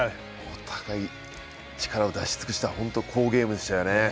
お互い力を出し尽くした本当に好ゲームでしたよね。